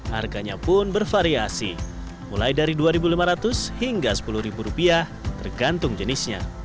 harganya pun bervariasi mulai dari rp dua lima ratus hingga rp sepuluh tergantung jenisnya